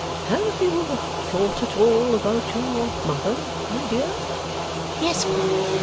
Have you thought at all about your mother, my dear?' 'Yes, Pa.